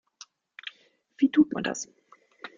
Wie tut man das?